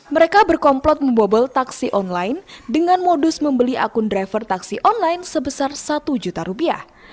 mereka berkomplot membobol taksi online dengan modus membeli akun driver taksi online sebesar satu juta rupiah